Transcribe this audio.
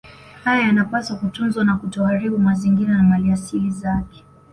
Haya yanapaswa kutunzwa na kutoharibu mazingira na maliasili zake